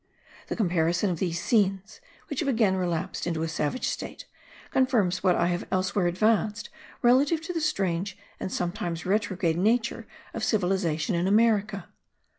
The comparison of these scenes, which have again relapsed into a savage state, confirms what I have elsewhere advanced relative to the strange and sometimes retrograde nature of civilization in America.